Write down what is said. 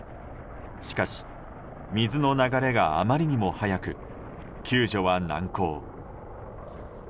しかし、水の流れがあまりにも早く救助は難航。